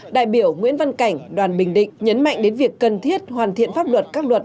đại biểu nguyễn văn cảnh đoàn bình định nhấn mạnh đến việc cần thiết hoàn thiện pháp luật các luật